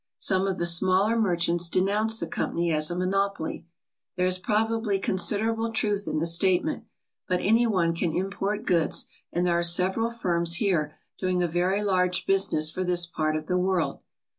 Some of the smaller merchants denounce the company as a monopoly. There is probably considerable truth in the statement; but any one can import goods and there are several firms here doing a very large business for this part of the world.